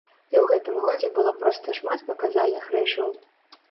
І ў гэтым годзе было проста шмат паказальных рэчаў.